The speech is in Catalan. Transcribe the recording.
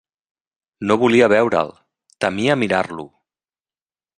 No volia veure'l: temia mirar-lo!